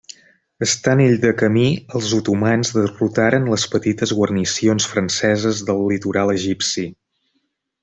Estant ell de camí, els otomans derrotaren les petites guarnicions franceses del litoral egipci.